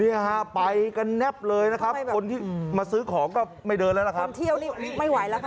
เอ้าคุณผู้ชมดูนี่ฮะ